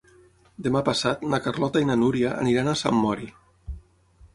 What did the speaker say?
Demà passat na Carlota i na Núria aniran a Sant Mori.